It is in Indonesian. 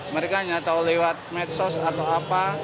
mereka hanya tahu lewat medsos atau apa